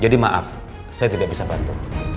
jadi maaf saya tidak bisa bantu